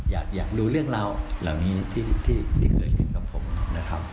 อยากดูเรื่องราวเหล่านี้ที่เกิดขึ้นกับผมนะครับ